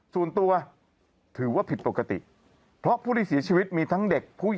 สูญตัวถือว่าผิดปกติเพราะผู้ที่สีชีวิตมีทั้งเด็กผู้ใหญ่คนชาลา